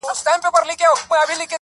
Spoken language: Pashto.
• زمـــا د رسـوايـــۍ كــيســه.